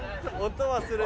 音はする。